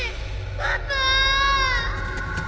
パパ！